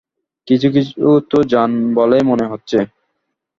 কিছু-কিছু তো জান বলেই মনে হচ্ছে।